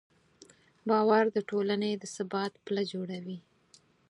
باور د ټولنې د ثبات پله جوړوي.